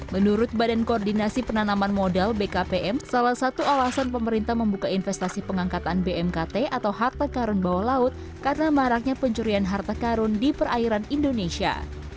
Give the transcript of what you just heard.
menurut badan koordinasi penanaman modal bkpm salah satu alasan pemerintah membuka investasi pengangkatan bmkt atau harta karun bawah laut karena maraknya pencurian harta karun di perairan indonesia